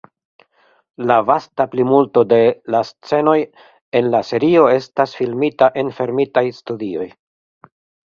La vasta plimulto de la scenoj en la serio estas filmita en fermitaj studioj.